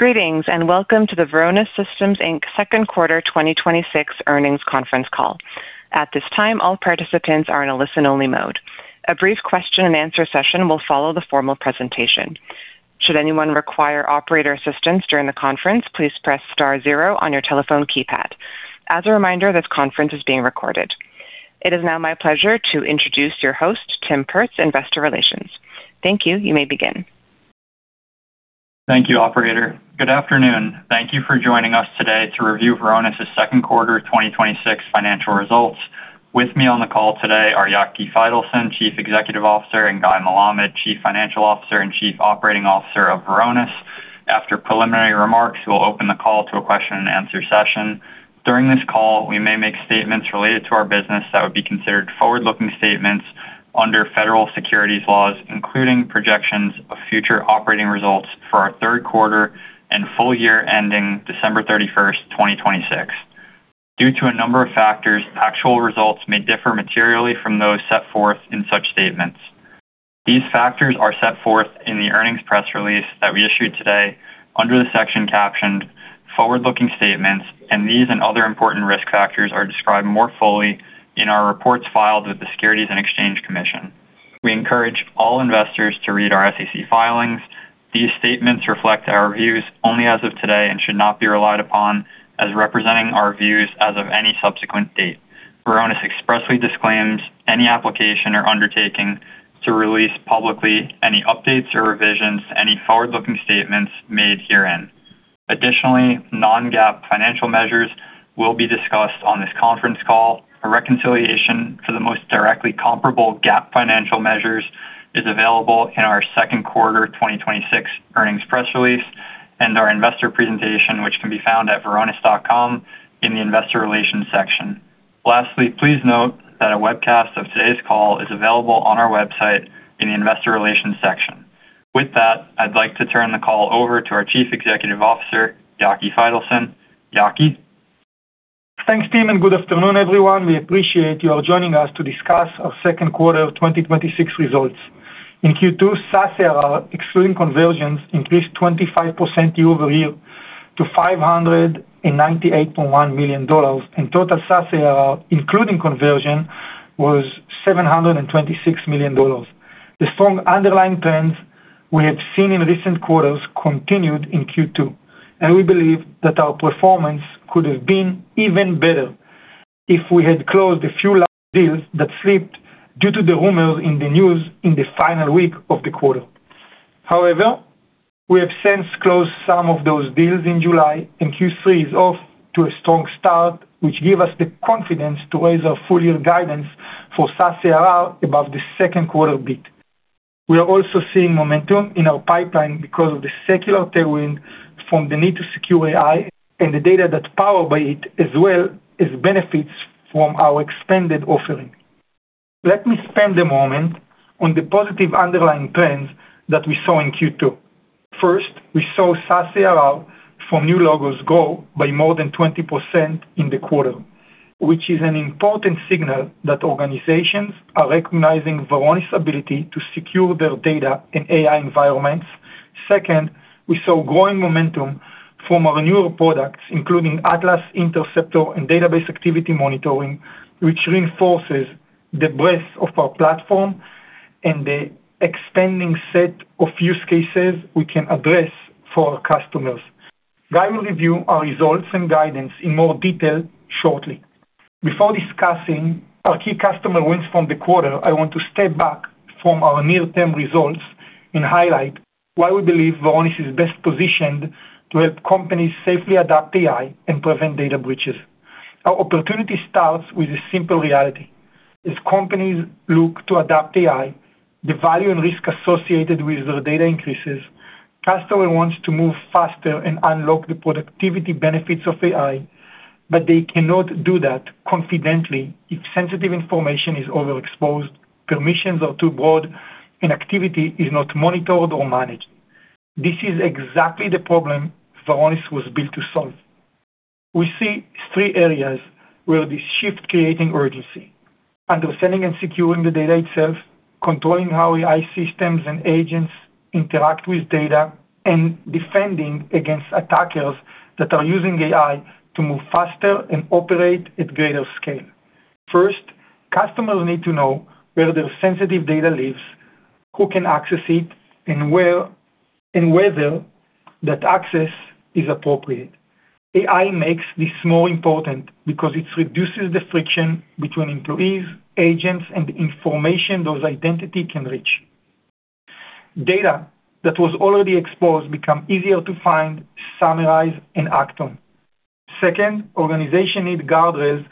Greetings, and welcome to the Varonis Systems Inc. second quarter 2026 earnings conference call. At this time, all participants are in a listen-only mode. A brief question-and-answer session will follow the formal presentation. Should anyone require operator assistance during the conference, please press star zero on your telephone keypad. As a reminder, this conference is being recorded. It is now my pleasure to introduce your host, Tim Perz, investor relations. Thank you. You may begin. Thank you, operator. Good afternoon. Thank you for joining us today to review Varonis' second quarter 2026 financial results. With me on the call today are Yaki Faitelson, Chief Executive Officer, and Guy Melamed, Chief Financial Officer and Chief Operating Officer of Varonis. After preliminary remarks, we'll open the call to a question-and-answer session. During this call, we may make statements related to our business that would be considered forward-looking statements under federal securities laws, including projections of future operating results for our third quarter and full year ending December 31st, 2026. Due to a number of factors, actual results may differ materially from those set forth in such statements. These factors are set forth in the earnings press release that we issued today under the section captioned "Forward-Looking Statements," these and other important risk factors are described more fully in our reports filed with the Securities and Exchange Commission. We encourage all investors to read our SEC filings. These statements reflect our views only as of today and should not be relied upon as representing our views as of any subsequent date. Varonis expressly disclaims any application or undertaking to release publicly any updates or revisions to any forward-looking statements made herein. Additionally, non-GAAP financial measures will be discussed on this conference call. A reconciliation for the most directly comparable GAAP financial measures is available in our second quarter 2026 earnings press release and our investor presentation, which can be found at varonis.com in the investor relations section. Lastly, please note that a webcast of today's call is available on our website in the investor relations section. With that, I'd like to turn the call over to our Chief Executive Officer, Yaki Faitelson. Yaki? Thanks, Tim, and good afternoon, everyone. We appreciate your joining us to discuss our second quarter of 2026 results. In Q2, SaaS ARR, excluding conversions, increased 25% year-over-year to $598.1 million, and total SaaS ARR, including conversion, was $726 million. The strong underlying trends we had seen in recent quarters continued in Q2. We believe that our performance could have been even better if we had closed a few large deals that slipped due to the rumors in the news in the final week of the quarter. However, we have since closed some of those deals in July. Q3 is off to a strong start, which gives us the confidence to raise our full-year guidance for SaaS ARR above the second quarter bit. We are also seeing momentum in our pipeline because of the secular tailwind from the need to secure AI and the data that's powered by it, as well as benefits from our expanded offering. Let me spend a moment on the positive underlying trends that we saw in Q2. First, we saw SaaS ARR from new logos grow by more than 20% in the quarter, which is an important signal that organizations are recognizing Varonis' ability to secure their data in AI environments. Second, we saw growing momentum from our newer products, including Atlas, Interceptor, and Database Activity Monitoring, which reinforces the breadth of our platform and the expanding set of use cases we can address for our customers. Guy will review our results and guidance in more detail shortly. Before discussing our key customer wins from the quarter, I want to step back from our near-term results and highlight why we believe Varonis is best positioned to help companies safely adopt AI and prevent data breaches. Our opportunity starts with a simple reality. As companies look to adopt AI, the value and risk associated with their data increases. Customers want to move faster and unlock the productivity benefits of AI, but they cannot do that confidently if sensitive information is overexposed, permissions are too broad, and activity is not monitored or managed. This is exactly the problem Varonis was built to solve. We see three areas where this shift creating urgency. Understanding and securing the data itself, controlling how AI systems and agents interact with data, and defending against attackers that are using AI to move faster and operate at greater scale. First, customers need to know where their sensitive data lives, who can access it, and whether that access is appropriate. AI makes this more important because it reduces the friction between employees, agents, and the information those identities can reach. Data that was already exposed becomes easier to find, summarize, and act on. Second, organizations need guardrails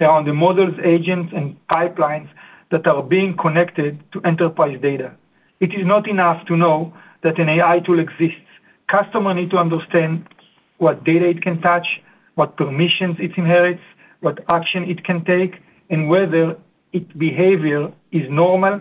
around the models, agents, and pipelines that are being connected to enterprise data. It is not enough to know that an AI tool exists. Customers need to understand what data it can touch, what permissions it inherits, what action it can take, and whether its behavior is normal.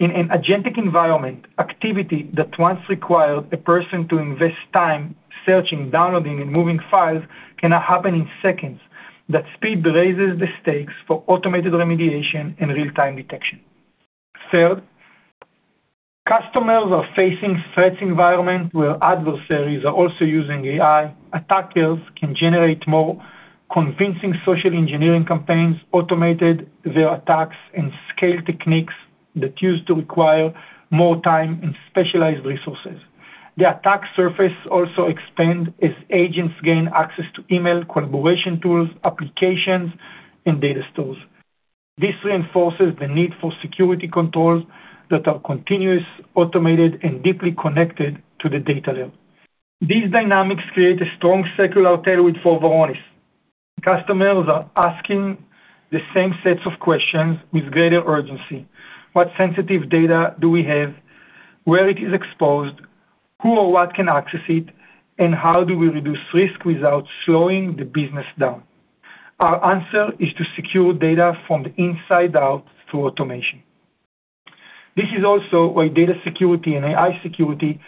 In an agentic environment, activity that once required a person to invest time searching, downloading, and moving files can now happen in seconds. That speed raises the stakes for automated remediation and real-time detection. Third, customers are facing threat environment where adversaries are also using AI. Attackers can generate more convincing social engineering campaigns, automate their attacks, and scale techniques that used to require more time and specialized resources. The attack surface also expands as agents gain access to email, collaboration tools, applications, and data stores. This reinforces the need for security controls that are continuous, automated, and deeply connected to the data layer. These dynamics create a strong secular tailwind for Varonis. Customers are asking the same sets of questions with greater urgency. What sensitive data do we have? Where it is exposed? Who or what can access it? How do we reduce risk without slowing the business down? Our answer is to secure data from the inside out through automation. This is also why data security and AI security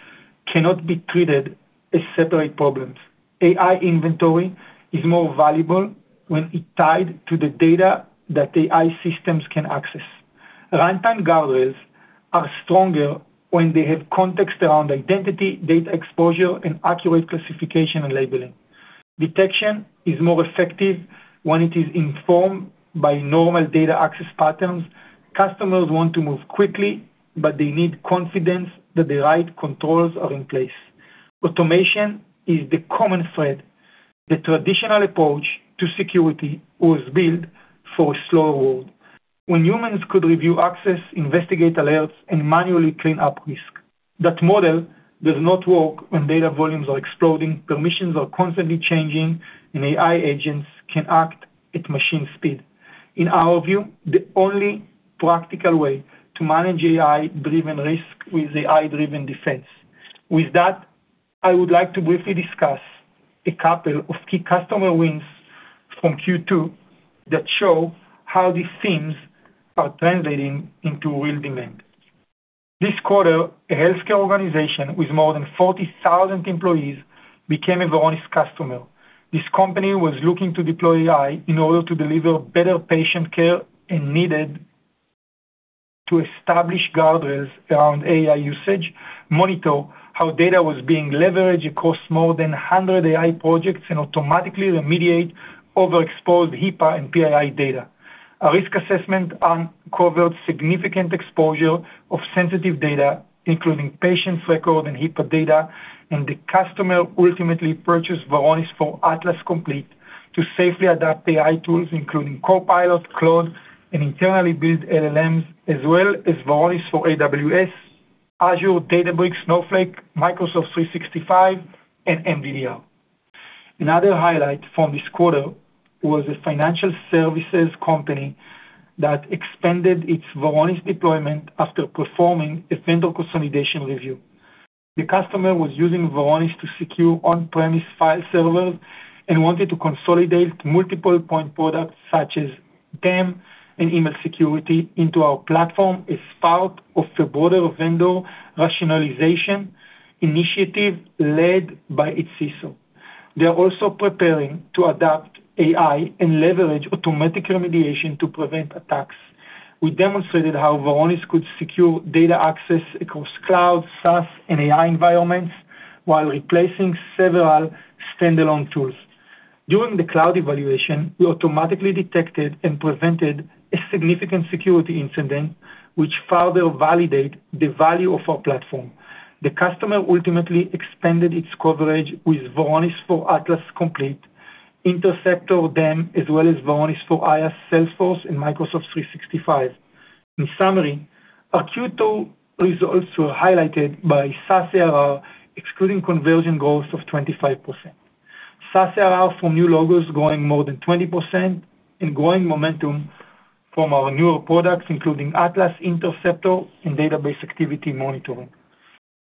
cannot be treated as separate problems. AI inventory is more valuable when it is tied to the data that AI systems can access. Runtime guardrails are stronger when they have context around identity, data exposure, and accurate classification and labeling. Detection is more effective when it is informed by normal data access patterns. Customers want to move quickly, They need confidence that the right controls are in place. Automation is the common thread. The traditional approach to security was built for a slower world, when humans could review access, investigate alerts, and manually clean up risk. That model does not work when data volumes are exploding, permissions are constantly changing, and AI agents can act at machine speed. In our view, the only practical way to manage AI-driven risk is AI-driven defense. With that, I would like to briefly discuss a couple of key customer wins from Q2 that show how these themes are translating into real demand. This quarter, a healthcare organization with more than 40,000 employees became a Varonis customer. This company was looking to deploy AI in order to deliver better patient care and needed to establish guardrails around AI usage, monitor how data was being leveraged across more than 100 AI projects, and automatically remediate overexposed HIPAA and PII data. A risk assessment uncovered significant exposure of sensitive data, including patient records and HIPAA data, and the customer ultimately purchased Varonis for Atlas Complete to safely adapt AI tools, including Copilot, Claude, and internally built LLMs, as well as Varonis for AWS, Azure, Databricks, Snowflake, Microsoft 365, and MDDR. Another highlight from this quarter was a financial services company that expanded its Varonis deployment after performing a vendor consolidation review. The customer was using Varonis to secure on-premise file servers and wanted to consolidate multiple point products, such as DAM and email security, into our platform as part of a broader vendor rationalization initiative led by its CISO. They're also preparing to adopt AI and leverage automatic remediation to prevent attacks. We demonstrated how Varonis could secure data access across cloud, SaaS, and AI environments while replacing several standalone tools. During the cloud evaluation, we automatically detected and prevented a significant security incident, which further validated the value of our platform. The customer ultimately expanded its coverage with Varonis for Atlas Complete, Interceptor DAM, as well as Varonis for IaaS, Salesforce, and Microsoft 365. In summary, our Q2 results were highlighted by SaaS ARR excluding conversion growth of 25%. SaaS ARR from new logos growing more than 20% and growing momentum from our newer products, including Atlas Interceptor and Database Activity Monitoring.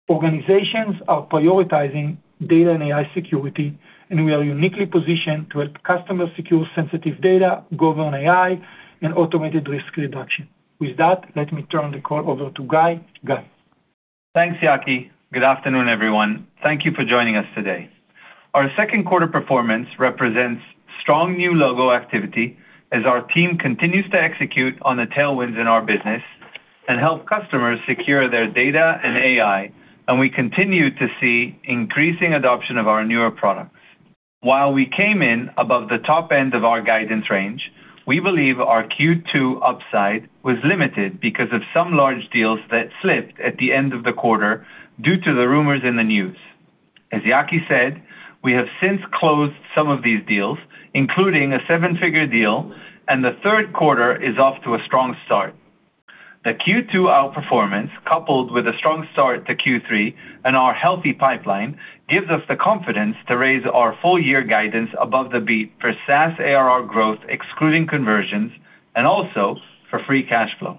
Organizations are prioritizing data and AI security, and we are uniquely positioned to help customers secure sensitive data, govern AI, and automated risk reduction. With that, let me turn the call over to Guy. Guy? Thanks, Yaki. Good afternoon, everyone. Thank you for joining us today. Our second quarter performance represents strong new logo activity as our team continues to execute on the tailwinds in our business and help customers secure their data and AI, and we continue to see increasing adoption of our newer products. While we came in above the top end of our guidance range, we believe our Q2 upside was limited because of some large deals that slipped at the end of the quarter due to the rumors in the news. As Yaki said, we have since closed some of these deals, including a seven-figure deal, and the third quarter is off to a strong start. The Q2 outperformance, coupled with a strong start to Q3 and our healthy pipeline, gives us the confidence to raise our full year guidance above the beat for SaaS ARR growth excluding conversions and also for free cash flow.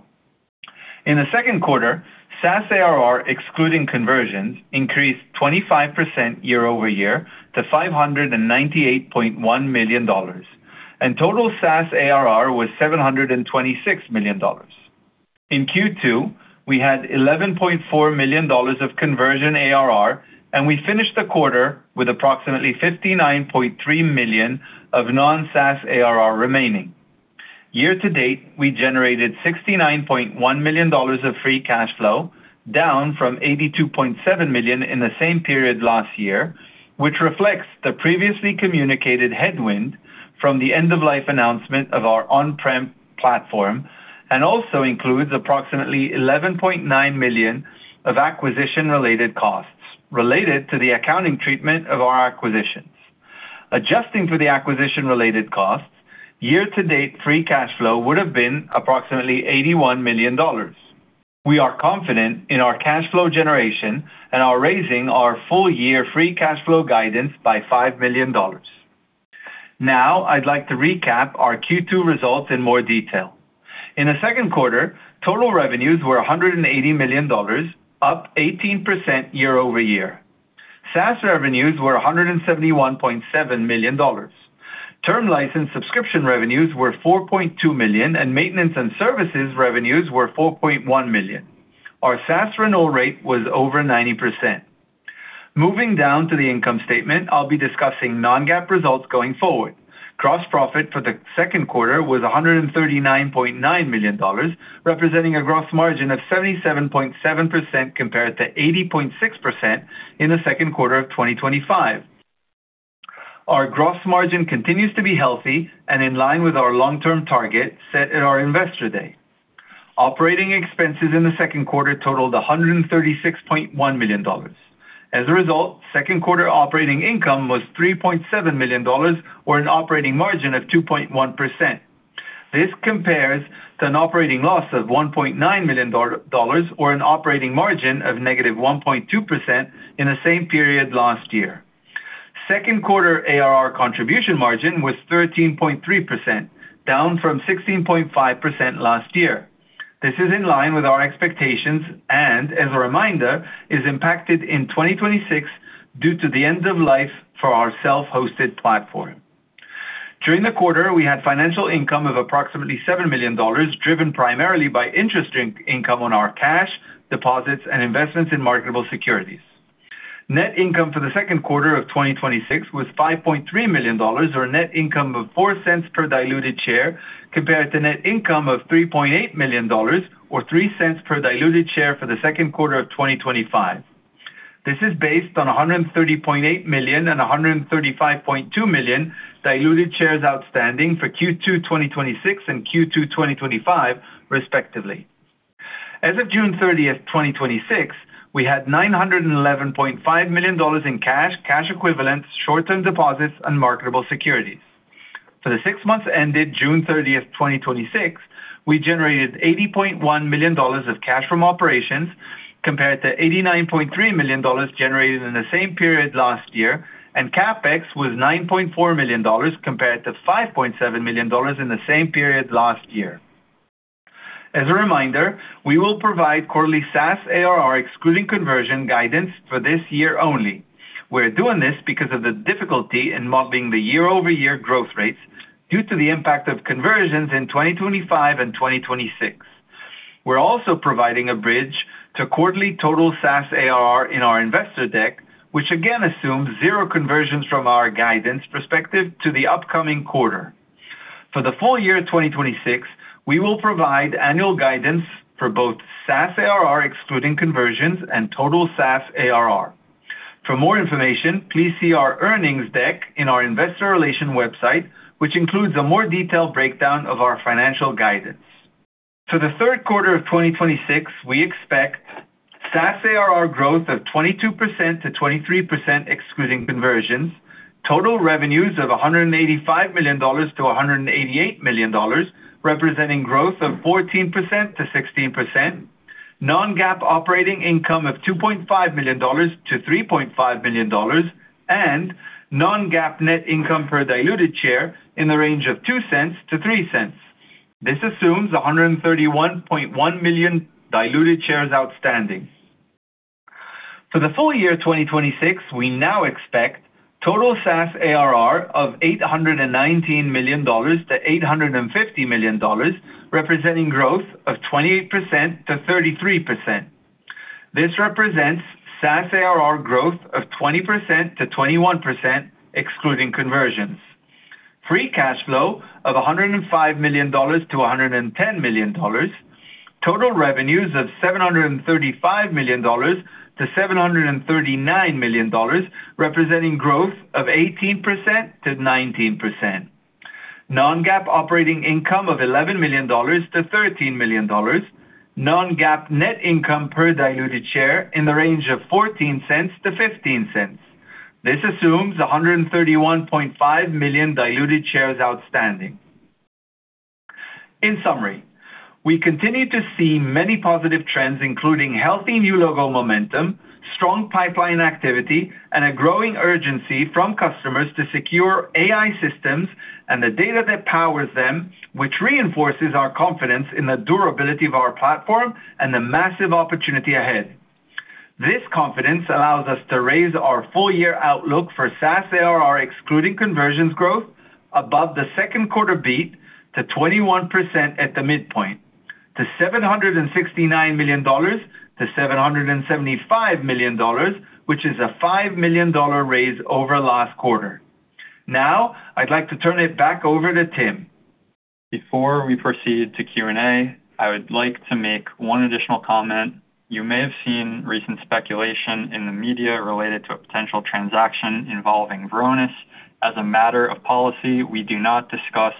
In the second quarter, SaaS ARR excluding conversions increased 25% year-over-year to $598.1 million. Total SaaS ARR was $726 million. In Q2, we had $11.4 million of conversion ARR, and we finished the quarter with approximately $59.3 million of non-SaaS ARR remaining. Year-to-date, we generated $69.1 million of free cash flow, down from $82.7 million in the same period last year, which reflects the previously communicated headwind from the end-of-life announcement of our on-prem platform, and also includes approximately $11.9 million of acquisition-related costs related to the accounting treatment of our acquisitions. Adjusting for the acquisition-related costs, year-to-date free cash flow would've been approximately $81 million. We are confident in our cash flow generation and are raising our full-year free cash flow guidance by $5 million. I'd like to recap our Q2 results in more detail. In the second quarter, total revenues were $180 million, up 18% year-over-year. SaaS revenues were $171.7 million. Term license subscription revenues were $4.2 million, and maintenance and services revenues were $4.1 million. Our SaaS renewal rate was over 90%. Moving down to the income statement, I'll be discussing non-GAAP results going forward. Gross profit for the second quarter was $139.9 million, representing a gross margin of 77.7% compared to 80.6% in the second quarter of 2025. Our gross margin continues to be healthy and in line with our long-term target set at our Investor Day. Operating expenses in the second quarter totaled $136.1 million. As a result, second quarter operating income was $3.7 million, or an operating margin of 2.1%. This compares to an operating loss of $1.9 million, or an operating margin of -1.2% in the same period last year. Second quarter ARR contribution margin was 13.3%, down from 16.5% last year. This is in line with our expectations and, as a reminder, is impacted in 2026 due to the end of life for our self-hosted platform. During the quarter, we had financial income of approximately $7 million, driven primarily by interest income on our cash, deposits, and investments in marketable securities. Net income for the second quarter of 2026 was $5.3 million, or net income of $0.04 per diluted share, compared to net income of $3.8 million or $0.03 per diluted share for the second quarter of 2025. This is based on 130.8 million and 135.2 million diluted shares outstanding for Q2 2026 and Q2 2025, respectively. As of June 30th, 2026, we had $911.5 million in cash equivalents, short-term deposits, and marketable securities. For the six months ended June 30th, 2026, we generated $80.1 million of cash from operations compared to $89.3 million generated in the same period last year, and CapEx was $9.4 million compared to $5.7 million in the same period last year. As a reminder, we will provide quarterly SaaS ARR excluding conversion guidance for this year only. We're doing this because of the difficulty in mapping the year-over-year growth rates due to the impact of conversions in 2025 and 2026. We're also providing a bridge to quarterly total SaaS ARR in our investor deck, which again assumes zero conversions from our guidance perspective to the upcoming quarter. For the full year 2026, we will provide annual guidance for both SaaS ARR excluding conversions and total SaaS ARR. For more information, please see our earnings deck in our investor relation website, which includes a more detailed breakdown of our financial guidance. For the third quarter of 2026, we expect SaaS ARR growth of 22%-23%, excluding conversions, total revenues of $185 million-$188 million, representing growth of 14%-16%, non-GAAP operating income of $2.5 million-$3.5 million, and non-GAAP net income per diluted share in the range of $0.02-$0.03. This assumes 131.1 million diluted shares outstanding. For the full year 2026, we now expect total SaaS ARR of $819 million-$850 million, representing growth of 28%-33%. This represents SaaS ARR growth of 20%-21%, excluding conversions. Free cash flow of $105 million-$110 million, total revenues of $735 million-$739 million, representing growth of 18%-19%. Non-GAAP operating income of $11 million-$13 million. Non-GAAP net income per diluted share in the range of $0.14-$0.15. This assumes 131.5 million diluted shares outstanding. In summary, we continue to see many positive trends, including healthy new logo momentum, strong pipeline activity, and a growing urgency from customers to secure AI systems and the data that powers them, which reinforces our confidence in the durability of our platform and the massive opportunity ahead. This confidence allows us to raise our full-year outlook for SaaS ARR, excluding conversions growth above the second quarter beat to 21% at the midpoint. To $769 million-$775 million, which is a $5 million raise over last quarter. I'd like to turn it back over to Tim. Before we proceed to Q&A, I would like to make one additional comment. You may have seen recent speculation in the media related to a potential transaction involving Varonis. As a matter of policy, we do not discuss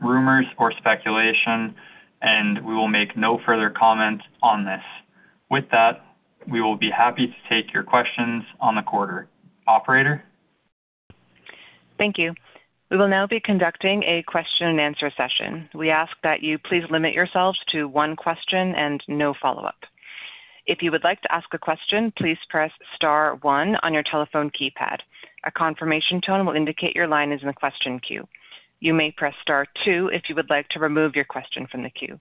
rumors or speculation, and we will make no further comment on this. With that, we will be happy to take your questions on the quarter. Operator? Thank you. We will now be conducting a question-and-answer session. We ask that you please limit yourselves to one question and no follow-up. If you would like to ask a question, please press star one on your telephone keypad. A confirmation tone will indicate your line is in the question queue. You may press star two if you would like to remove your question from the queue.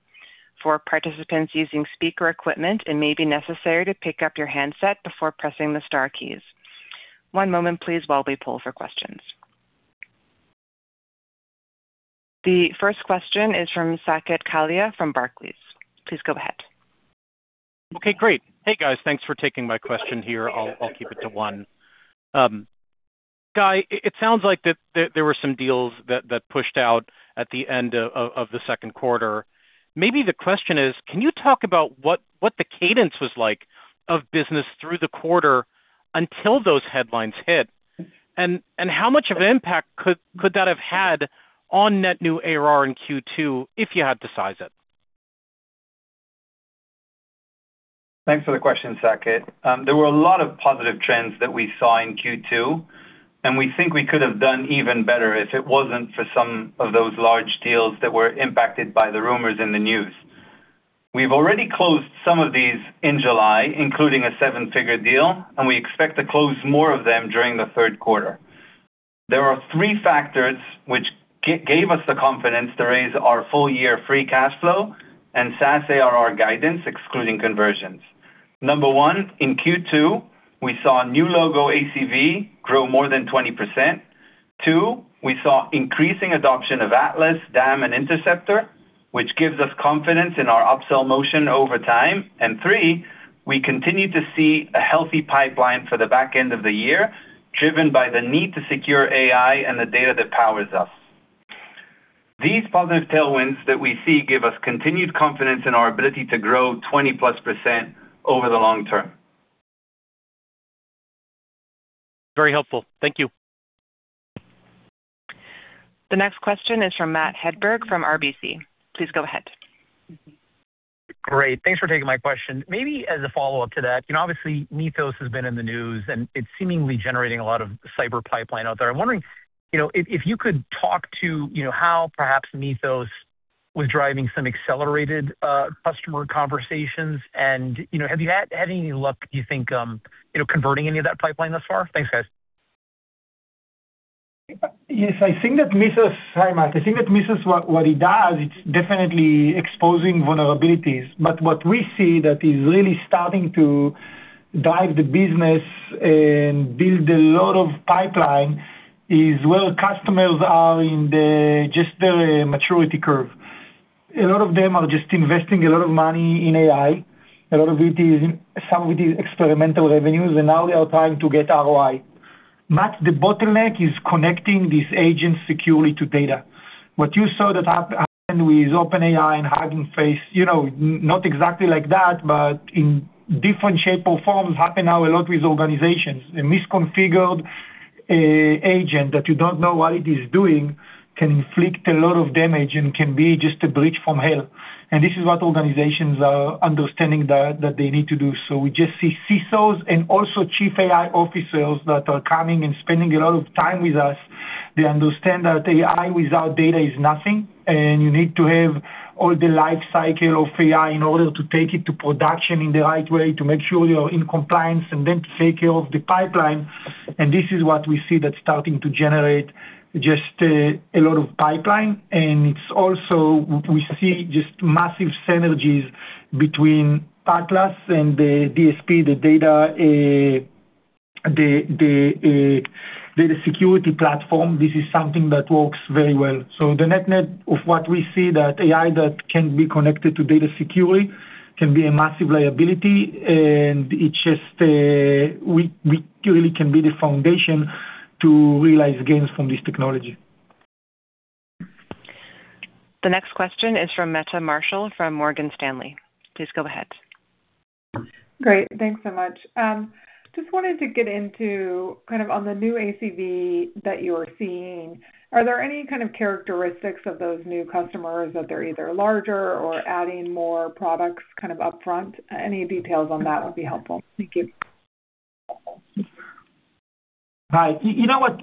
For participants using speaker equipment, it may be necessary to pick up your handset before pressing the star keys. One moment please while we poll for questions. The first question is from Saket Kalia from Barclays. Please go ahead. Okay, great. Hey, guys. Thanks for taking my question here. I'll keep it to one. Guy, it sounds like that there were some deals that pushed out at the end of the second quarter. Maybe the question is, can you talk about what the cadence was like of business through the quarter until those headlines hit? How much of an impact could that have had on net new ARR in Q2 if you had to size it? Thanks for the question, Saket. There were a lot of positive trends that we saw in Q2, and we think we could have done even better if it wasn't for some of those large deals that were impacted by the rumors in the news. We've already closed some of these in July, including a seven-figure deal, and we expect to close more of them during the third quarter. There are three factors which gave us the confidence to raise our full year free cash flow and SaaS ARR guidance, excluding conversions. Number one, in Q2, we saw new logo ACV grow more than 20%. Two, we saw increasing adoption of Atlas, DAM, and Interceptor, which gives us confidence in our upsell motion over time. Three, we continue to see a healthy pipeline for the back end of the year, driven by the need to secure AI and the data that powers us. These positive tailwinds that we see give us continued confidence in our ability to grow 20%+ over the long term. Very helpful. Thank you. The next question is from Matt Hedberg from RBC. Please go ahead. Great. Thanks for taking my question. Maybe as a follow-up to that, obviously, Mythos has been in the news. It's seemingly generating a lot of cyber pipeline out there. I'm wondering if you could talk to how perhaps Mythos was driving some accelerated customer conversations. Have you had any luck, do you think, converting any of that pipeline thus far? Thanks, guys. Yes, hi, Matt. I think that Mythos, what it does, it's definitely exposing vulnerabilities. What we see that is really starting to drive the business and build a lot of pipeline is where customers are in the, just the maturity curve. A lot of them are just investing a lot of money in AI. Some of it is experimental revenues. Now they are trying to get ROI. Matt, the bottleneck is connecting these agents securely to data. What you saw that happened with OpenAI and Hugging Face, not exactly like that, but in different shape or forms happen now a lot with organizations. A misconfigured agent that you don't know what it is doing can inflict a lot of damage and can be just a breach from hell. This is what organizations are understanding that they need to do. We just see CISOs and also chief AI officers that are coming and spending a lot of time with us. They understand that AI without data is nothing. You need to have all the life cycle of AI in order to take it to production in the right way, to make sure you're in compliance. Then to take care of the pipeline. This is what we see that's starting to generate just a lot of pipeline. It's also, we see just massive synergies between Atlas and the DSP, the Data Security Platform. This is something that works very well. The net net of what we see that AI that can be connected to data security can be a massive liability. We really can be the foundation to realize gains from this technology. The next question is from Meta Marshall from Morgan Stanley. Please go ahead. Great. Thanks so much. Just wanted to get into, kind of on the new ACV that you are seeing, are there any kind of characteristics of those new customers that they're either larger or adding more products kind of upfront? Any details on that would be helpful. Thank you. Right.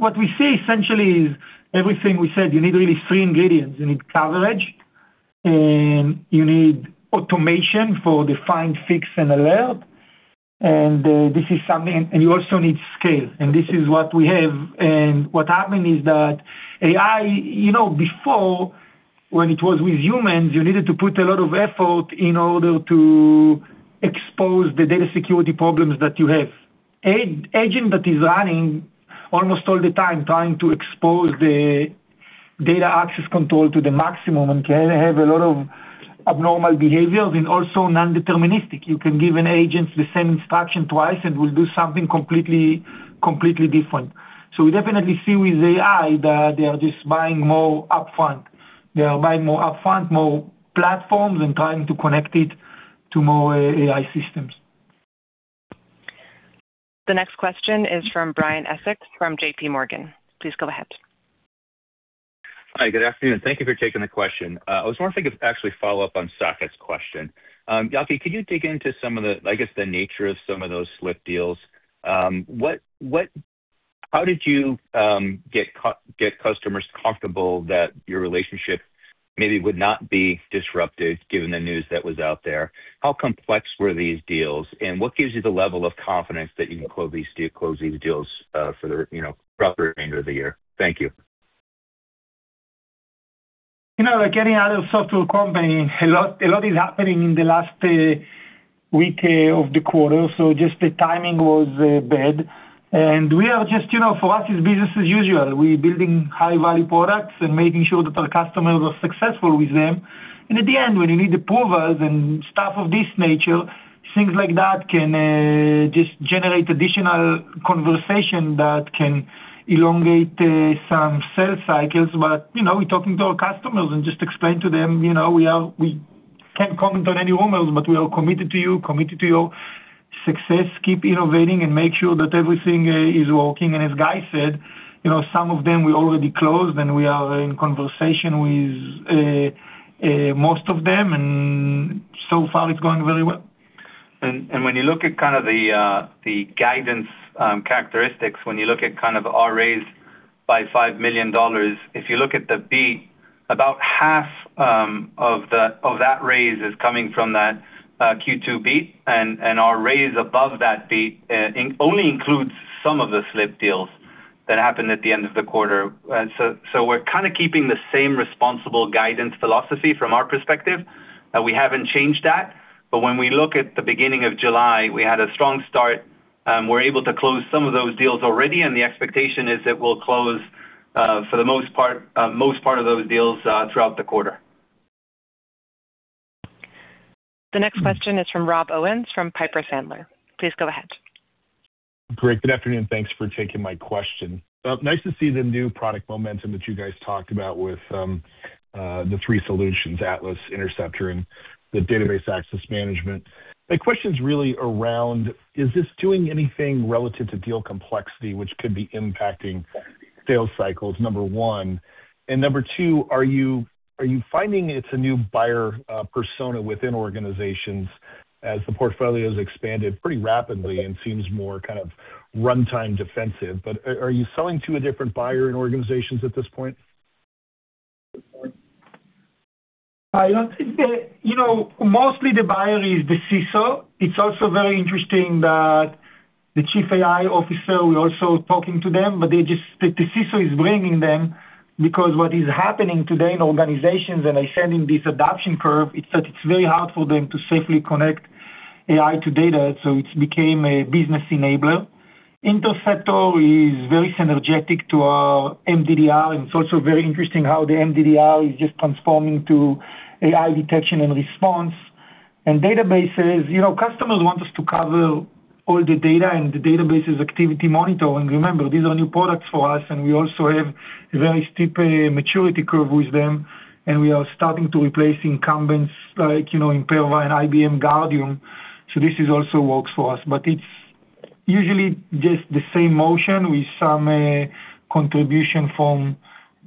What we see essentially is everything we said. You need really three ingredients. You need coverage, you need automation for define, fix, and alert. You also need scale. This is what we have. What happened is that AI, before when it was with humans, you needed to put a lot of effort in order to expose the data security problems that you have. Agent that is running almost all the time, trying to expose the data access control to the maximum and can have a lot of abnormal behaviors, and also non-deterministic. You can give an agent the same instruction twice, and it will do something completely different. We definitely see with AI that they are just buying more upfront. They are buying more upfront, more platforms, and trying to connect it to more AI systems. The next question is from Brian Essex from JPMorgan. Please go ahead. Hi, good afternoon. Thank you for taking the question. I was wondering if I could actually follow up on Saket's question. Yaki, could you dig into some of the, I guess, the nature of some of those slipped deals. How did you get customers comfortable that your relationship maybe would not be disrupted, given the news that was out there? How complex were these deals, and what gives you the level of confidence that you can close these deals for the remainder of the year? Thank you. Getting out of software company, a lot is happening in the last week of the quarter, so just the timing was bad. For us, it's business as usual. We're building high-value products and making sure that our customers are successful with them. At the end, when you need approvals and stuff of this nature, things like that can just generate additional conversation that can elongate some sales cycles. We're talking to our customers and just explain to them, we can't comment on any rumors, but we are committed to you, committed to your success, keep innovating and make sure that everything is working. As Guy said, some of them we already closed, and we are in conversation with most of them, and so far it's going very well. When you look at the guidance characteristics, when you look at our raise by $5 million, if you look at the beat, about half of that raise is coming from that Q2 beat, and our raise above that beat only includes some of the slipped deals that happened at the end of the quarter. We're keeping the same responsible guidance philosophy from our perspective. We haven't changed that. When we look at the beginning of July, we had a strong start. We're able to close some of those deals already, the expectation is that we'll close for the most part of those deals throughout the quarter. The next question is from Rob Owens from Piper Sandler. Please go ahead. Great. Good afternoon. Thanks for taking my question. Nice to see the new product momentum that you guys talked about with the three solutions, Atlas, Interceptor, and the Database Activity Monitoring. My question is really around, is this doing anything relative to deal complexity which could be impacting sales cycles, number one? Number two, are you finding it's a new buyer persona within organizations as the portfolio's expanded pretty rapidly and seems more kind of runtime defensive, but are you selling to a different buyer in organizations at this point? I don't think. Mostly the buyer is the CISO. It's also very interesting that the Chief AI Officer, we're also talking to them, but the CISO is bringing them because what is happening today in organizations, and I said in this adoption curve, it's that it's very hard for them to safely connect AI to data, so it became a business enabler. Interceptor is very synergetic to our MDDR. It's also very interesting how the MDDR is just transforming to AI detection and response. Databases, customers want us to cover all the data and the Database Activity Monitoring. Remember, these are new products for us. We also have a very steep maturity curve with them, and we are starting to replace incumbents like Imperva and IBM Guardium, so this also works for us. It's usually just the same motion with some contribution from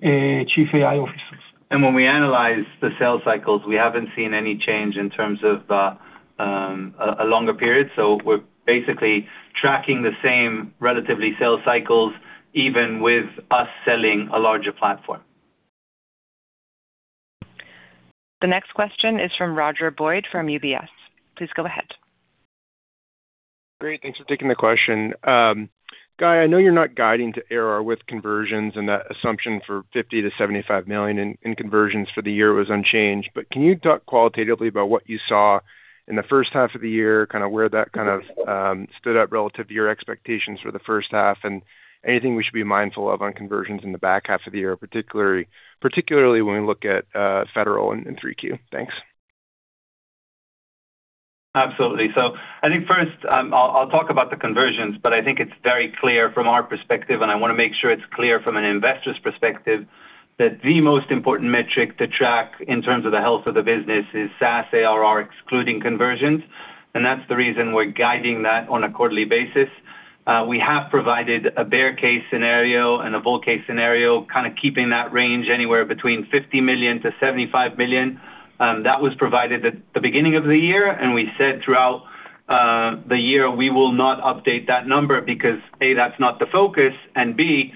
Chief AI Officers. When we analyze the sales cycles, we haven't seen any change in terms of a longer period. We're basically tracking the same relatively sales cycles, even with us selling a larger platform. The next question is from Roger Boyd from UBS. Please go ahead. Thanks for taking the question. Guy, I know you're not guiding to ARR with conversions, and that assumption for $50 million-$75 million in conversions for the year was unchanged. Can you talk qualitatively about what you saw in the first half of the year, where that kind of stood out relative to your expectations for the first half, and anything we should be mindful of on conversions in the back half of the year, particularly when we look at federal in 3Q? Thanks. Absolutely. I think first, I'll talk about the conversions. I think it's very clear from our perspective, and I want to make sure it's clear from an investor's perspective, that the most important metric to track in terms of the health of the business is SaaS ARR excluding conversions, and that's the reason we're guiding that on a quarterly basis. We have provided a bear case scenario and a bull case scenario, kind of keeping that range anywhere between $50 million-$75 million. That was provided at the beginning of the year. We said throughout the year, we will not update that number because, A, that's not the focus, and B,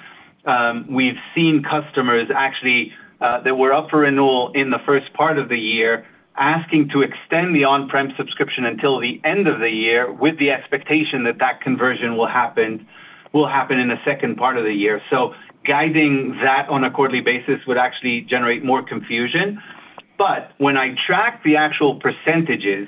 we've seen customers actually that were up for renewal in the first part of the year asking to extend the on-prem subscription until the end of the year with the expectation that that conversion will happen in the second part of the year. Guiding that on a quarterly basis would actually generate more confusion. When I track the actual percentages,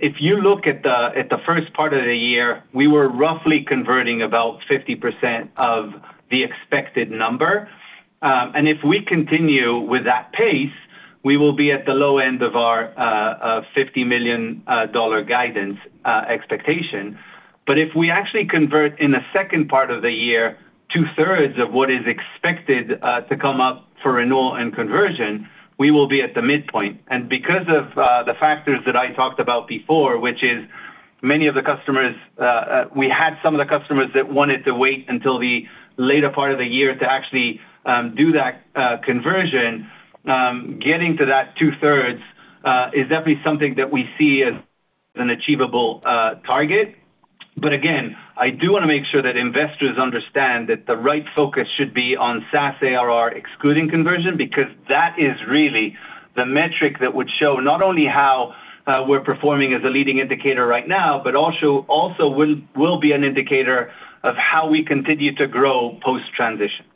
if you look at the first part of the year, we were roughly converting about 50% of the expected number. If we continue with that pace, we will be at the low end of our $50 million guidance expectation. If we actually convert in the second part of the year 2/3 of what is expected to come up for renewal and conversion, we will be at the midpoint. Because of the factors that I talked about before, which is many of the customers, we had some of the customers that wanted to wait until the later part of the year to actually do that conversion. Getting to that 2/3 is definitely something that we see as an achievable target. Again, I do want to make sure that investors understand that the right focus should be on SaaS ARR, excluding conversion, because that is really the metric that would show not only how we're performing as a leading indicator right now, but also will be an indicator of how we continue to grow post-transition.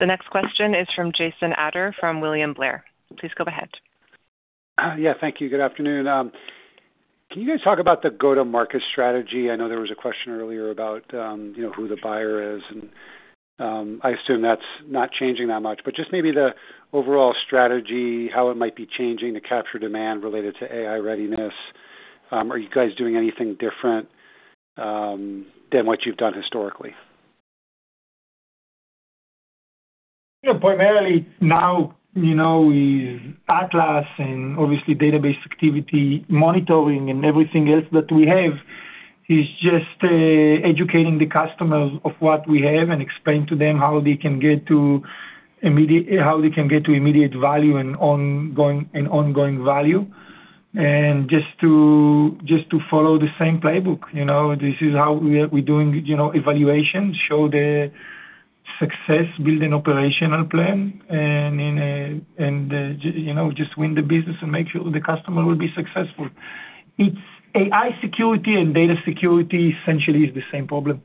The next question is from Jason Ader from William Blair. Please go ahead. Yeah, thank you. Good afternoon. Can you guys talk about the go-to-market strategy? I know there was a question earlier about who the buyer is, and I assume that's not changing that much, but just maybe the overall strategy, how it might be changing to capture demand related to AI readiness. Are you guys doing anything different than what you've done historically? Primarily now, with Atlas and obviously Database Activity Monitoring and everything else that we have, is just educating the customers of what we have and explain to them how they can get to immediate value and ongoing value. Just to follow the same playbook. This is how we're doing evaluation, show the success, build an operational plan, and just win the business and make sure the customer will be successful. AI security and data security essentially is the same problem,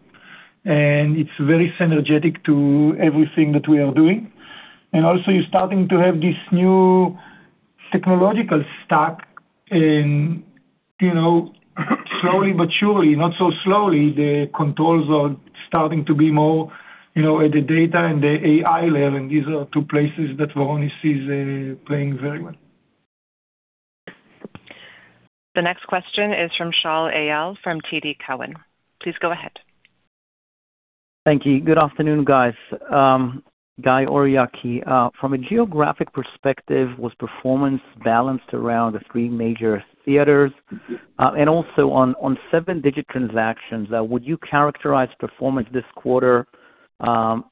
and it's very synergetic to everything that we are doing. Also, you're starting to have this new technological stack, and slowly but surely, not so slowly, the controls are starting to be more at the data and the AI level, and these are two places that Varonis is playing very well. The next question is from Shaul Eyal from TD Cowen. Please go ahead. Thank you. Good afternoon, guys. Guy or Yaki, from a geographic perspective, was performance balanced around the three major theaters? Also on seven-digit transactions, would you characterize performance this quarter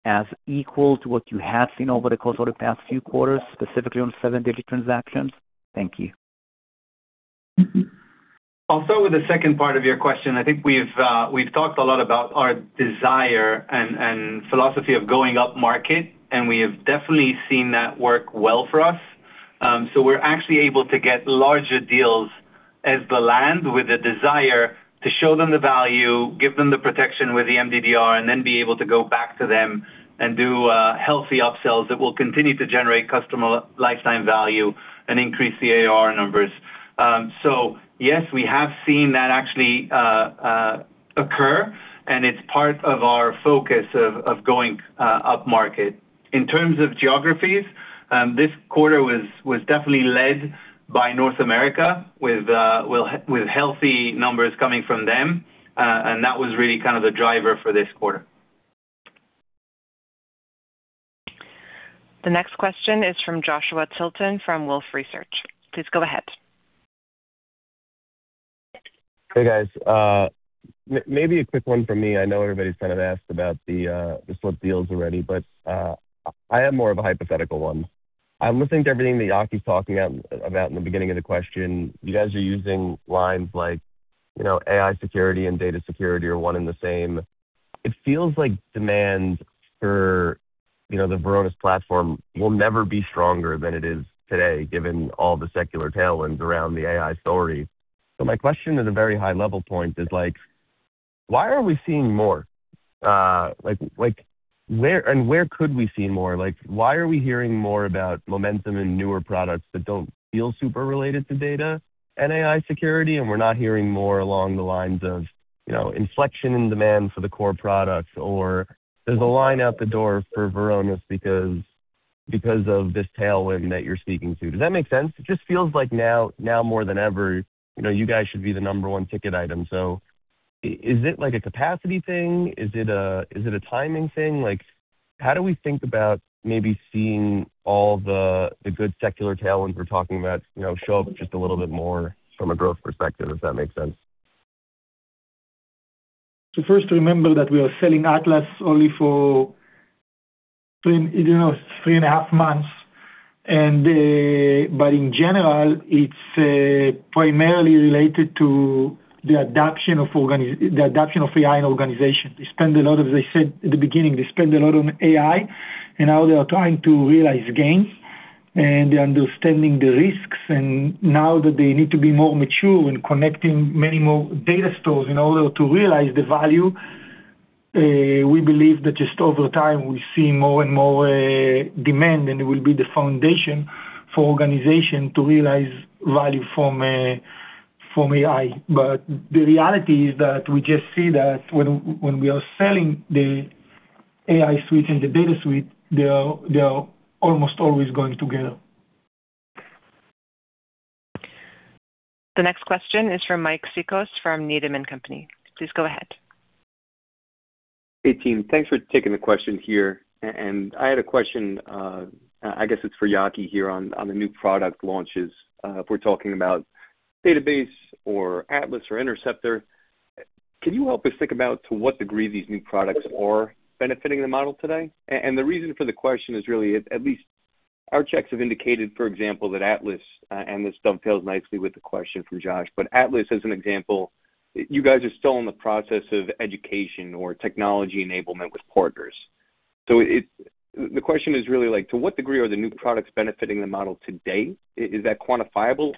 as equal to what you have seen over the course of the past few quarters, specifically on seven-digit transactions? Thank you. I'll start with the second part of your question. I think we've talked a lot about our desire and philosophy of going upmarket. We have definitely seen that work well for us. We're actually able to get larger deals as the land with a desire to show them the value, give them the protection with the MDDR, and then be able to go back to them and do healthy upsells that will continue to generate customer lifetime value and increase the ARR numbers. Yes, we have seen that actually occur, and it's part of our focus of going upmarket. In terms of geographies, this quarter was definitely led by North America, with healthy numbers coming from them. That was really kind of the driver for this quarter. The next question is from Joshua Tilton from Wolfe Research. Please go ahead. Hey, guys. Maybe a quick one from me. I know everybody's kind of asked about the slip deals already, but I have more of a hypothetical one. I'm listening to everything that Yaki's talking about in the beginning of the question. You guys are using lines like AI security and data security are one and the same. It feels like demand for the Varonis platform will never be stronger than it is today, given all the secular tailwinds around the AI story. My question at a very high level point is, why aren't we seeing more? Where could we see more? Why are we hearing more about momentum and newer products that don't feel super related to data and AI security, and we're not hearing more along the lines of inflection in demand for the core products, or there's a line out the door for Varonis because of this tailwind that you're speaking to. Does that make sense? It just feels like now more than ever, you guys should be the number one ticket item. Is it like a capacity thing? Is it a timing thing? How do we think about maybe seeing all the good secular tailwinds we're talking about show up just a little bit more from a growth perspective, if that makes sense? First, remember that we are selling Atlas only for three and a half months. In general, it's primarily related to the adoption of AI in organizations. As I said at the beginning, they spend a lot on AI, and now they are trying to realize gains and understanding the risks, and now that they need to be more mature in connecting many more data stores in order to realize the value, we believe that just over time, we see more and more demand, and it will be the foundation for organization to realize value from AI. The reality is that we just see that when we are selling the AI suite and the data suite, they are almost always going together. The next question is from Mike Cikos from Needham & Company. Please go ahead. Hey, team. Thanks for taking the question here. I had a question, I guess it's for Yaki here on the new product launches. If we're talking about Database Activity Monitoring or Atlas or Interceptor, can you help us think about to what degree these new products are benefiting the model today? The reason for the question is really, at least our checks have indicated, for example, that Atlas, and this dovetails nicely with the question from Josh. Atlas, as an example, you guys are still in the process of education or technology enablement with partners. The question is really, to what degree are the new products benefiting the model today? Is that quantifiable,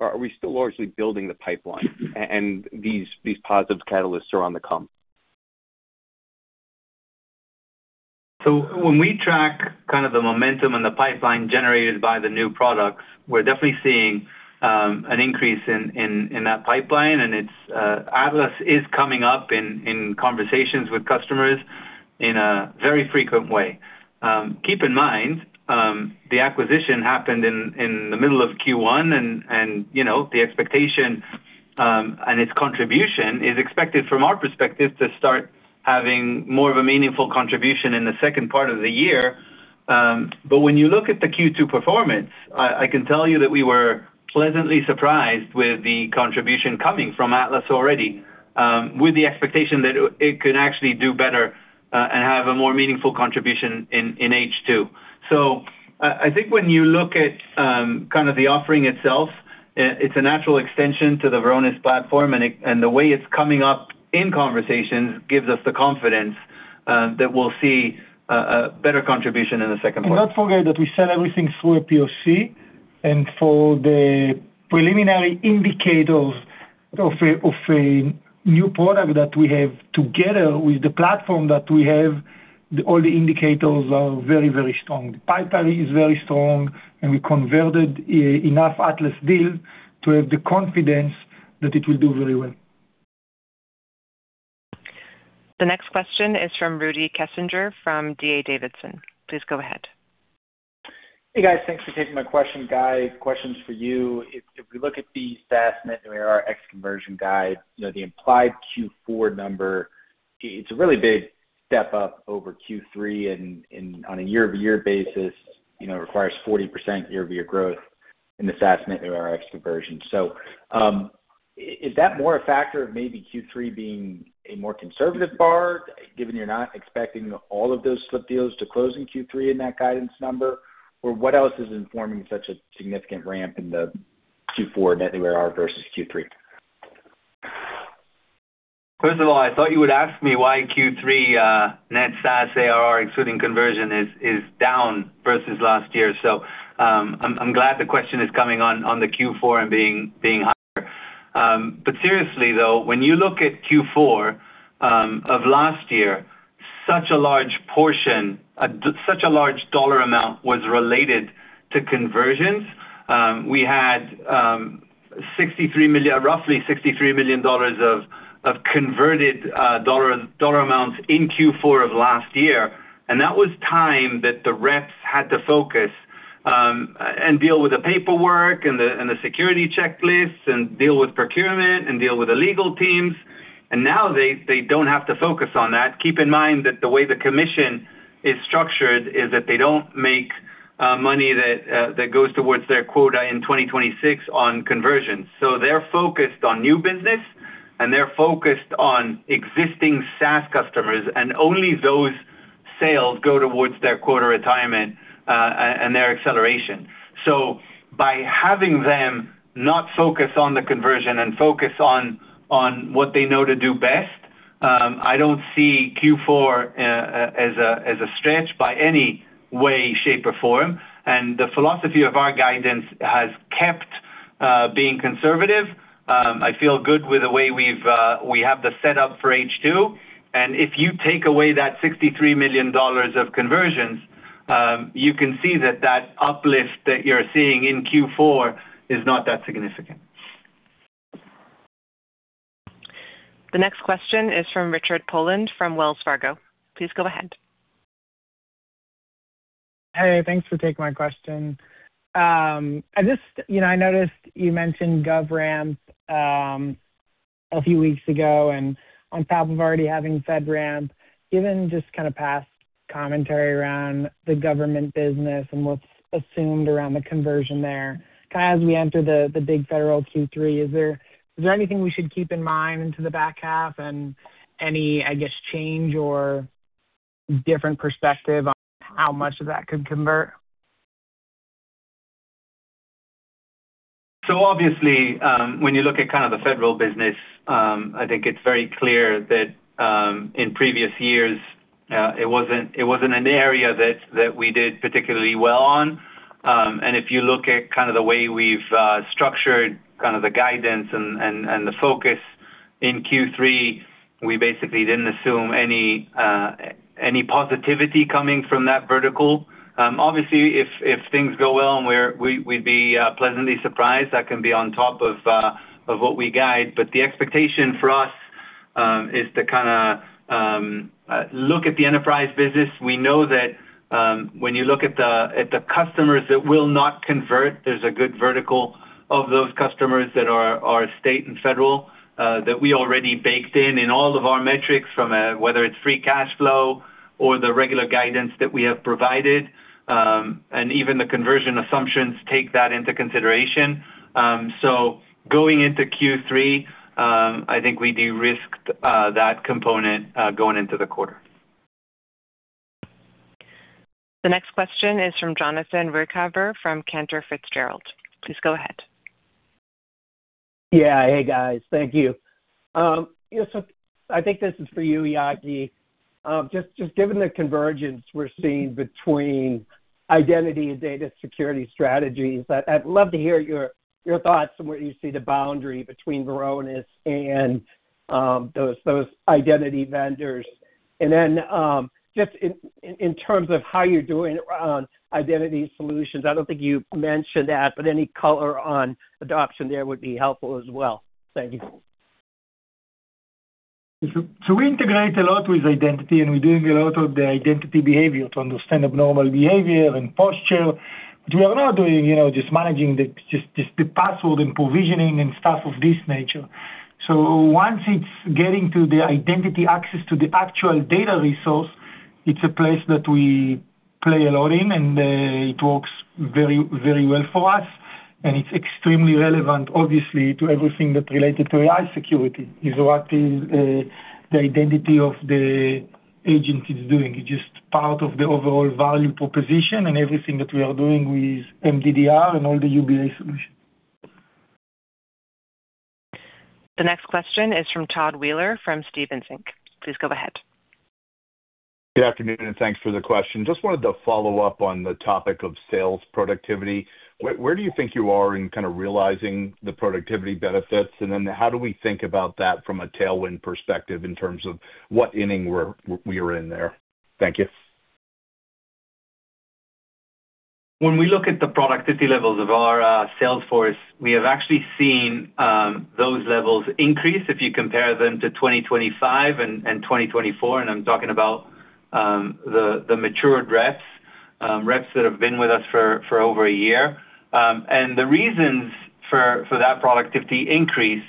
or are we still largely building the pipeline and these positive catalysts are on the come? When we track kind of the momentum and the pipeline generated by the new products, we're definitely seeing an increase in that pipeline, and Atlas is coming up in conversations with customers in a very frequent way. Keep in mind, the acquisition happened in the middle of Q1, and the expectation and its contribution is expected from our perspective to start having more of a meaningful contribution in the second part of the year. When you look at the Q2 performance, I can tell you that we were pleasantly surprised with the contribution coming from Atlas already, with the expectation that it could actually do better and have a more meaningful contribution in H2. I think when you look at kind of the offering itself, it's a natural extension to the Varonis platform, and the way it's coming up in conversations gives us the confidence that we'll see a better contribution in the second quarter. Not forget that we sell everything through a POC, and for the preliminary indicators of a new product that we have together with the platform that we have, all the indicators are very, very strong. The pipeline is very strong, and we converted enough Atlas deals to have the confidence that it will do very well. The next question is from Rudy Kessinger from D.A. Davidson. Please go ahead. Hey, guys. Thanks for taking my question. Guy, question's for you. If we look at the SaaS net new ARR ex conversion guide, the implied Q4 number, it's a really big step up over Q3 on a year-over-year basis. It requires 40% year-over-year growth in the SaaS net new ARR ex conversion. Is that more a factor of maybe Q3 being a more conservative bar, given you're not expecting all of those slip deals to close in Q3 in that guidance number? Or what else is informing such a significant ramp in the Q4 net new ARR versus Q3? First of all, I thought you would ask me why Q3 net SaaS ARR excluding conversion is down versus last year. I'm glad the question is coming on the Q4 and being higher. Seriously though, when you look at Q4 of last year, such a large portion, such a large dollar amount was related to conversions. We had roughly $63 million of converted dollar amounts in Q4 of last year, and that was time that the reps had to focus and deal with the paperwork and the security checklists and deal with procurement and deal with the legal teams, and now they don't have to focus on that. Keep in mind that the way the commission is structured is that they don't make money that goes towards their quota in 2026 on conversions. They're focused on new business, and they're focused on existing SaaS customers, and only those sales go towards their quota retirement and their acceleration. By having them not focus on the conversion and focus on what they know to do best, I don't see Q4 as a stretch by any way, shape, or form, and the philosophy of our guidance has kept being conservative. I feel good with the way we have the setup for H2, and if you take away that $63 million of conversions, you can see that that uplift that you're seeing in Q4 is not that significant. The next question is from Richard Poland from Wells Fargo. Please go ahead. Hey, thanks for taking my question. I noticed you mentioned GovRAMP a few weeks ago, on top of already having FedRAMP, given just kind of past commentary around the government business and what's assumed around the conversion there, kind of as we enter the big federal Q3, is there anything we should keep in mind into the back half and any, I guess, change or different perspective on how much of that could convert? Obviously, when you look at kind of the federal business, I think it's very clear that in previous years, it wasn't an area that we did particularly well on. If you look at kind of the way we've structured kind of the guidance and the focus in Q3, we basically didn't assume any positivity coming from that vertical. Obviously, if things go well and we'd be pleasantly surprised, that can be on top of what we guide. The expectation for us is to kind of look at the enterprise business. We know that when you look at the customers that will not convert, there's a good vertical of those customers that are state and federal, that we already baked in all of our metrics, from whether it's free cash flow or the regular guidance that we have provided. Even the conversion assumptions take that into consideration. Going into Q3, I think we de-risked that component going into the quarter. The next question is from Jonathan Ruykhaver, from Cantor Fitzgerald. Please go ahead. Yeah. Hey, guys. Thank you. I think this is for you, Yaki. Given the convergence we're seeing between identity and data security strategies, I'd love to hear your thoughts on where you see the boundary between Varonis and those identity vendors. Just in terms of how you're doing on identity solutions, I don't think you mentioned that, but any color on adoption there would be helpful as well. Thank you. We integrate a lot with identity, and we're doing a lot of the identity behavior to understand abnormal behavior and posture. We are not doing just managing the password and provisioning and stuff of this nature. Once it's getting to the identity access to the actual data resource, it's a place that we play a lot in, and it works very well for us, and it's extremely relevant, obviously, to everything that related to AI security, is what the identity of the agent is doing. It's just part of the overall value proposition and everything that we are doing with MDDR and all the UBA solutions. The next question is from Todd Weller from Stephens Inc. Please go ahead. Good afternoon, and thanks for the question. Just wanted to follow up on the topic of sales productivity. Where do you think you are in kind of realizing the productivity benefits? How do we think about that from a tailwind perspective in terms of what inning we are in there? Thank you. When we look at the productivity levels of our sales force, we have actually seen those levels increase, if you compare them to 2025 and 2024, I'm talking about the matured reps that have been with us for over a year. The reasons for that productivity increase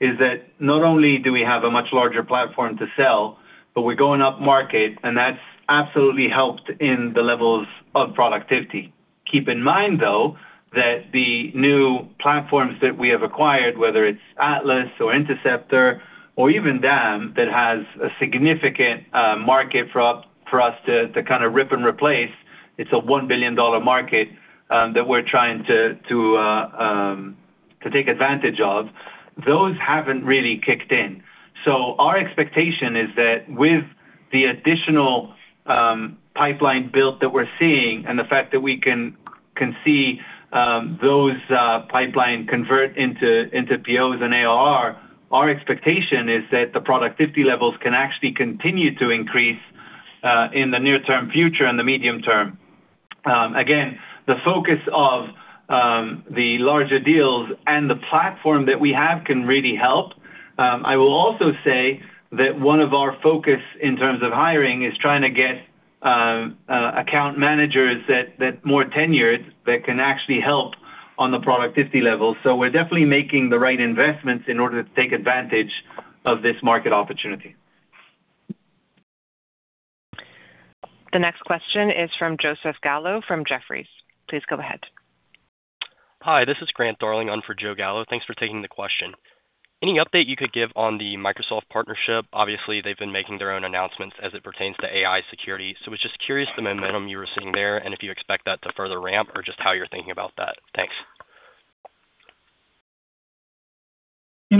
is that not only do we have a much larger platform to sell, but we're going up market. That's absolutely helped in the levels of productivity. Keep in mind, though, that the new platforms that we have acquired, whether it's Atlas or Interceptor or even DAM, that has a significant market for us to kind of rip and replace. It's a $1 billion market that we're trying to take advantage of. Those haven't really kicked in. Our expectation is that with the additional pipeline built that we're seeing and the fact that we can see those pipeline convert into POs and ARR, our expectation is that the productivity levels can actually continue to increase, in the near-term future and the medium-term. Again, the focus of the larger deals and the platform that we have can really help. I will also say that one of our focus in terms of hiring is trying to get account managers that more tenured that can actually help on the productivity level. We're definitely making the right investments in order to take advantage of this market opportunity. The next question is from Joseph Gallo from Jefferies. Please go ahead. Hi, this is Grant Darling on for Joe Gallo. Thanks for taking the question. Any update you could give on the Microsoft partnership? Obviously, they've been making their own announcements as it pertains to AI security. I was just curious the momentum you were seeing there and if you expect that to further ramp or just how you're thinking about that. Thanks. In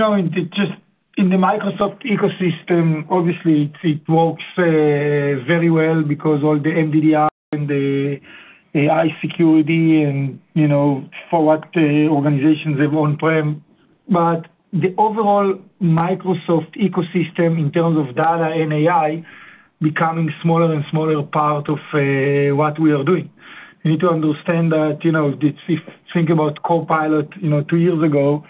the Microsoft ecosystem, obviously it works very well because all the MDDR and the AI security and for what organizations have on-prem, the overall Microsoft ecosystem in terms of data and AI becoming smaller and smaller part of what we are doing. You need to understand that, if you think about Copilot, two years ago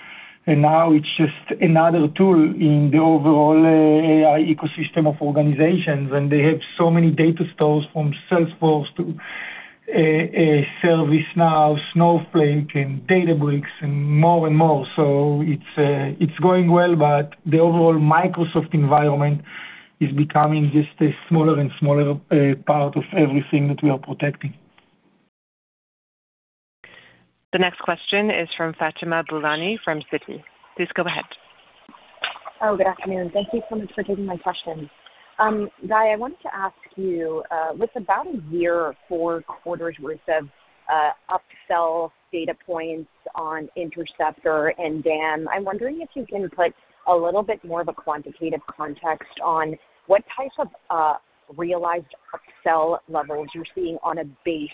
and now it's just another tool in the overall AI ecosystem of organizations, and they have so many data stores from Salesforce to ServiceNow, Snowflake, and Databricks, and more and more. It's growing well, the overall Microsoft environment is becoming just a smaller and smaller part of everything that we are protecting. The next question is from Fatima Boolani from Citi. Please go ahead. Good afternoon. Thank you so much for taking my question. Guy, I wanted to ask you, with about a year or four quarters worth of upsell data points on Interceptor and DAM, I'm wondering if you can put a little bit more of a quantitative context on what type of realized upsell levels you're seeing on a base,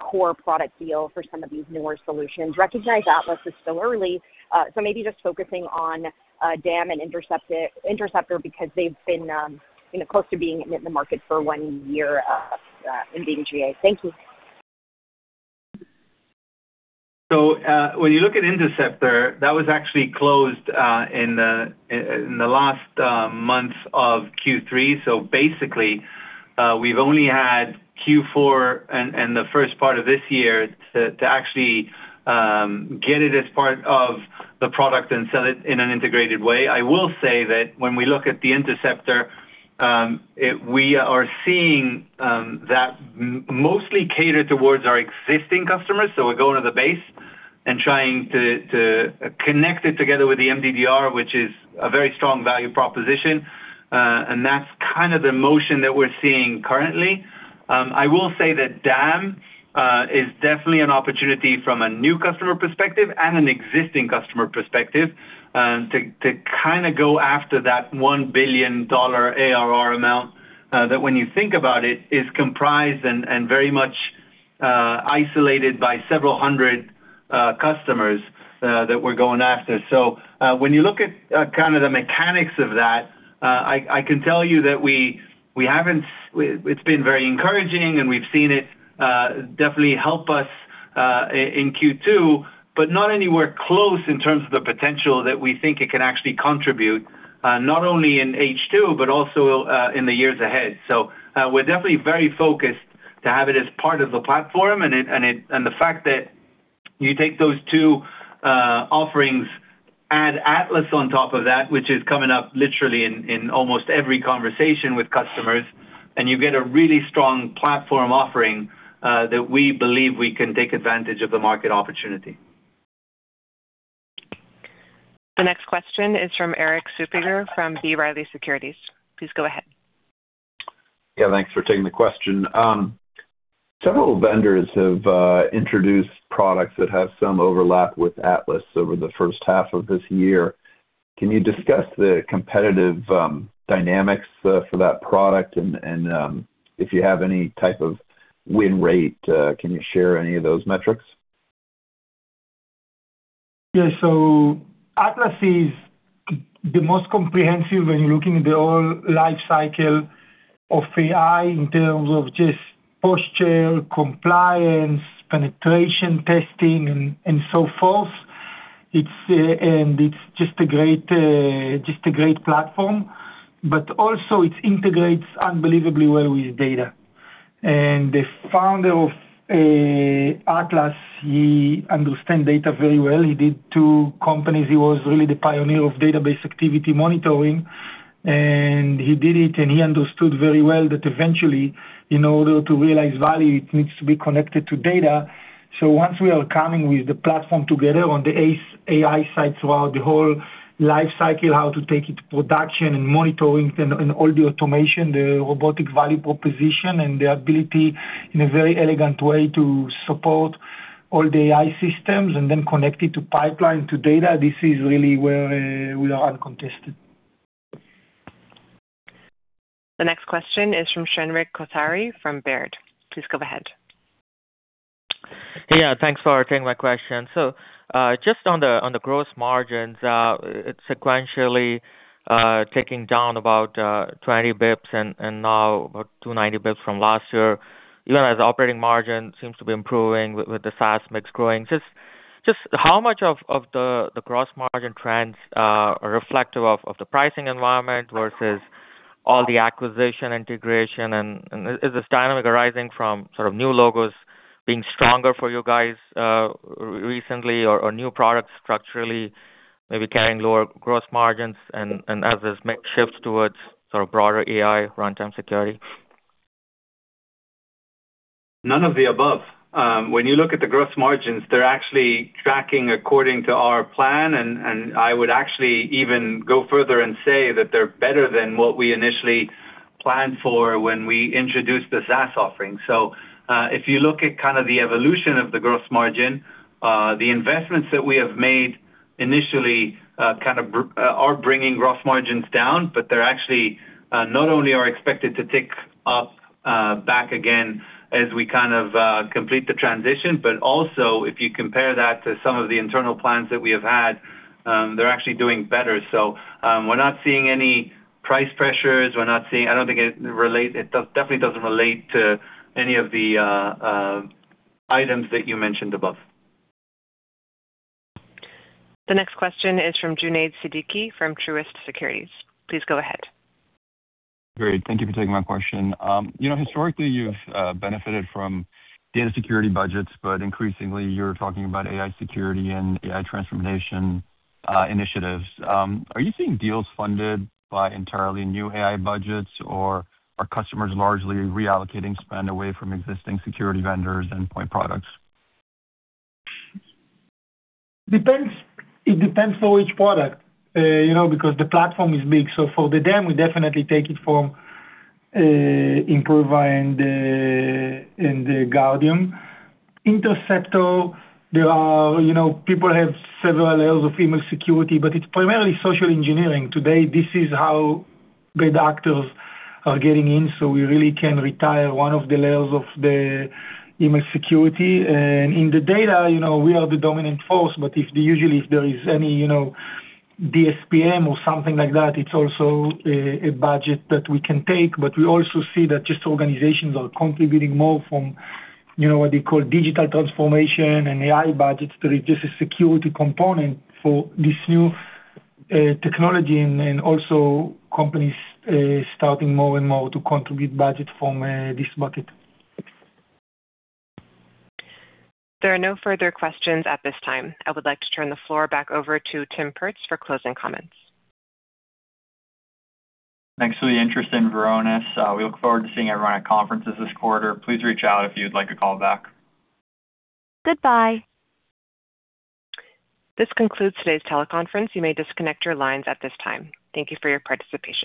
core product deal for some of these newer solutions. Recognize Atlas is still early, maybe just focusing on DAM and Interceptor because they've been close to being in the market for one year and being GA. Thank you. When you look at Interceptor, that was actually closed in the last months of Q3. Basically, we've only had Q4 and the first part of this year to actually get it as part of the product and sell it in an integrated way. I will say that when we look at the Interceptor, we are seeing that mostly catered towards our existing customers. We're going to the base and trying to connect it together with the MDDR, which is a very strong value proposition. That's kind of the motion that we're seeing currently. I will say that DAM is definitely an opportunity from a new customer perspective and an existing customer perspective, to kind of go after that $1 billion ARR amount, that when you think about it, is comprised and very much isolated by several hundred customers that we're going after. When you look at kind of the mechanics of that, I can tell you that it's been very encouraging, and we've seen it definitely help us in Q2, but not anywhere close in terms of the potential that we think it can actually contribute, not only in H2, but also in the years ahead. We're definitely very focused to have it as part of the platform and the fact that you take those two offerings, add Atlas on top of that, which is coming up literally in almost every conversation with customers, and you get a really strong platform offering, that we believe we can take advantage of the market opportunity. The next question is from Erik Suppiger from B. Riley Securities. Please go ahead. Yeah, thanks for taking the question. Several vendors have introduced products that have some overlap with Atlas over the first half of this year. Can you discuss the competitive dynamics for that product and if you have any type of win rate, can you share any of those metrics? Yeah. Atlas is the most comprehensive when looking at the whole life cycle of AI in terms of just posture, compliance, penetration testing, and so forth. It's just a great platform, but also it integrates unbelievably well with data. The founder of Atlas, he understand data very well. He did two companies. He was really the pioneer of Database Activity Monitoring, and he did it, and he understood very well that eventually, in order to realize value, it needs to be connected to data. Once we are coming with the platform together on the AI side, throughout the whole life cycle, how to take it to production and monitoring and all the automation, the robotic value proposition, and the ability, in a very elegant way, to support all the AI systems and then connect it to pipeline, to data, this is really where we are uncontested. The next question is from Shrenik Kothari from Baird. Please go ahead. Yeah, thanks for taking my question. Just on the gross margins, it's sequentially ticking down about 20 basis points and now about 290 basis points from last year, even as operating margin seems to be improving with the SaaS mix growing. How much of the gross margin trends are reflective of the pricing environment versus all the acquisition integration? Is this dynamic arising from sort of new logos being stronger for you guys recently or new products structurally maybe carrying lower gross margins and as this mix shifts towards sort of broader AI runtime security? None of the above. When you look at the gross margins, they're actually tracking according to our plan, and I would actually even go further and say that they're better than what we initially planned for when we introduced the SaaS offering. If you look at kind of the evolution of the gross margin, the investments that we have made initially kind of are bringing gross margins down, but they're actually not only are expected to tick up back again as we kind of complete the transition, but also if you compare that to some of the internal plans that we have had, they're actually doing better. We're not seeing any price pressures. It definitely doesn't relate to any of the items that you mentioned above. The next question is from Junaid Siddiqui from Truist Securities. Please go ahead. Great. Thank you for taking my question. Historically, you've benefited from data security budgets, increasingly you're talking about AI security and AI transformation initiatives. Are you seeing deals funded by entirely new AI budgets, or are customers largely reallocating spend away from existing security vendors and point products? It depends for which product, because the platform is big. For the DAM, we definitely take it from Imperva and the Guardium. Interceptor, people have several layers of email security, it's primarily social engineering. Today, this is how bad actors are getting in, we really can retire one of the layers of the email security. In the data, we are the dominant force, usually if there is any DSPM or something like that, it's also a budget that we can take. We also see that just organizations are contributing more from what they call digital transformation and AI budgets. There is just a security component for this new technology and also companies starting more and more to contribute budget from this bucket. There are no further questions at this time. I would like to turn the floor back over to Tim Perz for closing comments. Thanks for the interest in Varonis. We look forward to seeing everyone at conferences this quarter. Please reach out if you'd like a call back. Goodbye. This concludes today's teleconference. You may disconnect your lines at this time. Thank you for your participation.